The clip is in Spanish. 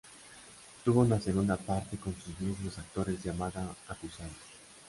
Tuvo una segunda parte con sus mismos actores llamada "Acusada".